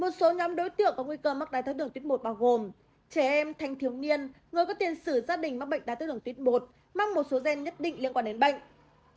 một số nhóm đối tượng có nguy cơ mắc đáy thái đường tuyết một bao gồm trẻ em thanh thiếu niên người có tiền sử gia đình mắc bệnh đáy thái đường tuyết một mắc một số gen nhất định liên quan đến bệnh